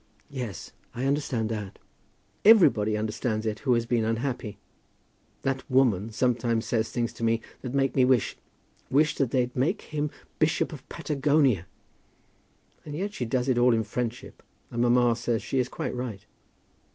"Yes; I understand that." "Everybody understands it who has been unhappy. That woman sometimes says things to me that make me wish, wish that they'd make him bishop of Patagonia. And yet she does it all in friendship, and mamma says that she is quite right."